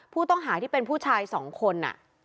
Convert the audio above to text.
ผู้ต้องหาที่เป็นผู้ชาย๒คน